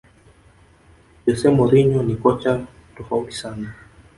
jose mourinho ni kocha tofautisana